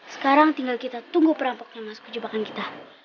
sekarang tinggal kita tunggu perampoknya masuk ke jebakan kita